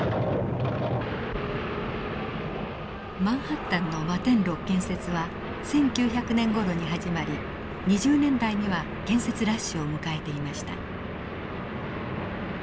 マンハッタンの摩天楼建設は１９００年ごろに始まり２０年代には建設ラッシュを迎えていました。